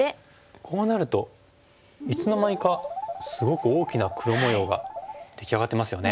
こうなるといつの間にかすごく大きな黒模様が出来上がってますよね。